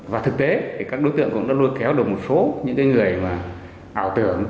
và thực tế các đối tượng cũng đã lôi kéo được một số những người ảo tưởng